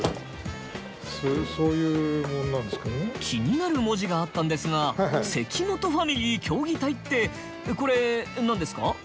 気になる文字があったんですが「関本ファミリー競技隊」ってこれ何ですか？